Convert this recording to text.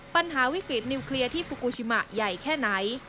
วิกฤตนิวเคลียร์ที่ฟูกูชิมะใหญ่แค่ไหน